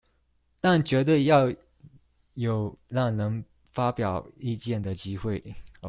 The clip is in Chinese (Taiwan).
但絕對要有讓人發表意見的機會